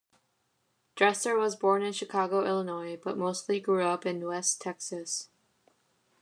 Dresser was born in Chicago, Illinois, but mostly grew up in West Texas.